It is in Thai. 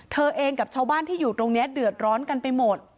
เธอเองกับชาวบ้านที่อยู่ตรงนี้เดือดร้อนกันไปหมด